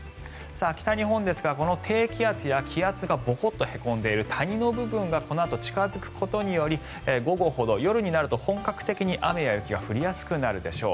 北日本ですが低気圧や、気圧がぼこっとへこんでいる谷の部分がこのあと近付くことにより午後ほど、夜になると本格的に雨や雪が降りやすくなるでしょう。